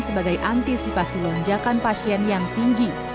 sebagai antisipasi lonjakan pasien yang tinggi